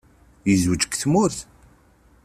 Yezweǧ deg tmurt?